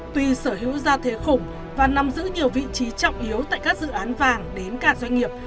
tuy sở hữu ra thế khủng và nằm giữ nhiều vị trí trọng yếu tại các dự án vàng đến cả doanh nghiệp